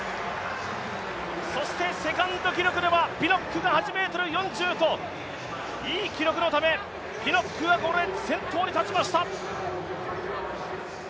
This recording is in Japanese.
そしてセカンド記録はピノックが８ｍ４０といい記録のためピノックは先頭に立ちました。